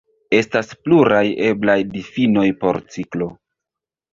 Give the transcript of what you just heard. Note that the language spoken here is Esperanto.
Estas pluraj eblaj difinoj por ciklo.